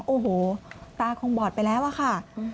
โอ้โหตาคงบอดไปแล้วอะค่ะ